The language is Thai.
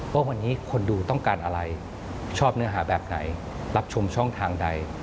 ว่าวันนี้คนดูต้องการอะไรชอบเนื้อหาแบบไหนรับชมช่องทางใด